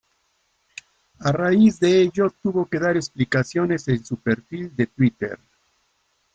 A raíz de ello tuvo que dar explicaciones en su perfil de Twitter.